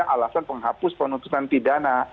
alasan penghapus penuntunan pidana